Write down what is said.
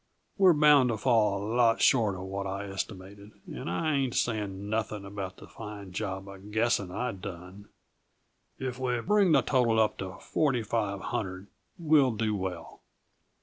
We're bound to fall a lot short uh what I estimated and I ain't saying nothing about the fine job uh guessing I done! If we bring the total up to forty five hundred, we'll do well."